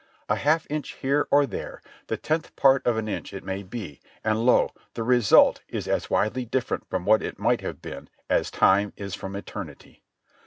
A half inch here or there, the tenth part of an inch it may be, and lo! the result is as widely different from what it might have been as time is from eternity.